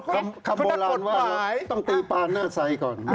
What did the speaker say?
คำโบราณว่าต้องตีปานหน้าไซค์ก่อน